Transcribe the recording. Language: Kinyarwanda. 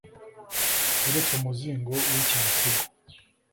Uretse umuzingo w’iki gisigo